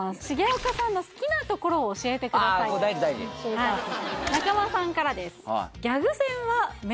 これ大事大事中間さんからです